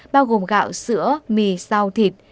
bao gồm gạo sữa mì rau thịt